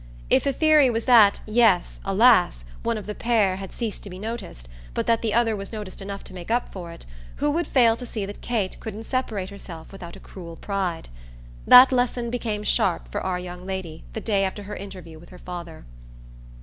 If the theory was that, yes, alas, one of the pair had ceased to be noticed, but that the other was noticed enough to make up for it, who would fail to see that Kate couldn't separate herself without a cruel pride? That lesson became sharp for our young lady the day after her interview with her father.